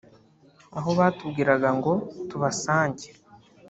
aho batubwiraga ngo tubasange